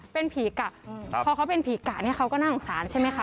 เป็นผีกะพอเขาเป็นผีกะเนี่ยเขาก็น่าสงสารใช่ไหมคะ